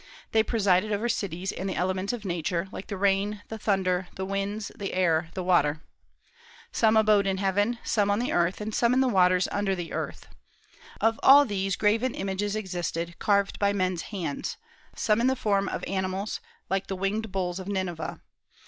They presided over cities and the elements of Nature, like the rain, the thunder, the winds, the air, the water. Some abode in heaven, some on the earth, and some in the waters under the earth. Of all these graven images existed, carved by men's hands, some in the form of animals, like the winged bulls of Nineveh.